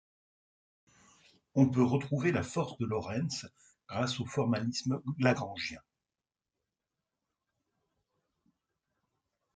On peut retrouver la force de Lorentz grâce au formalisme lagrangien.